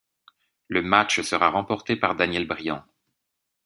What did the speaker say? Le match sera remporté par Daniel Bryan.